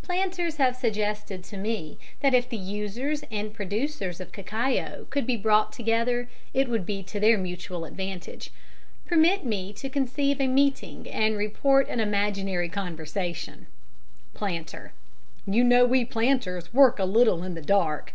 Planters have suggested to me that if the users and producers of cacao could be brought together it would be to their mutual advantage. Permit me to conceive a meeting and report an imaginary conversation: PLANTER: You know we planters work a little in the dark.